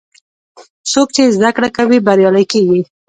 څوک چې زده کړه کوي، بریالی کېږي.